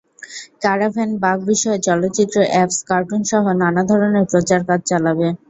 Caravan বাঘ বিষয়ে চলচিত্র, অ্যাপস, কার্টুনসহ নানা ধরনের প্রচার কাজ চালাবে।